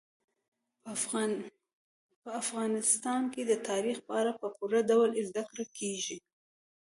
په افغانستان کې د تاریخ په اړه په پوره ډول زده کړه کېږي.